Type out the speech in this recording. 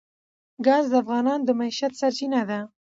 ګاز د افغانانو د معیشت سرچینه ده.